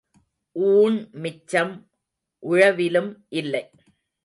ஊண் மிச்சம் உழவிலும் இல்லை.